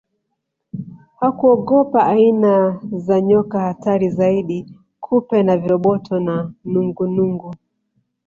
Hakuogopa aina za nyoka hatari zaidi kupe na viroboto na nungunungu